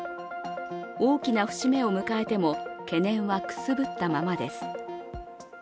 大きな節目を迎えても、懸念はくすぶったままです。